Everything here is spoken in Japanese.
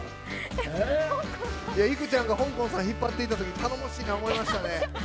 いくちゃんがほんこんさん引っ張ったとき頼もしいな思った。